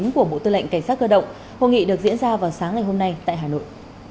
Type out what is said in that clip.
của bộ tư lệnh cảnh sát cơ động hội nghị được diễn ra vào sáng ngày hôm nay tại hà nội